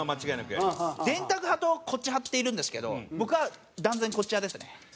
電卓派とこっち派っているんですけど僕は断然こっち派ですね。